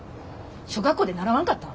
小学校で習わんかった？